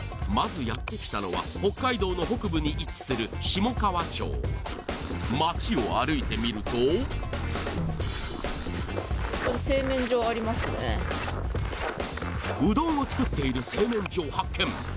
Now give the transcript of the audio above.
まずやって来たのは北海道の北部に位置する下川町町を歩いてみるとうどんを作っている製麺所を発見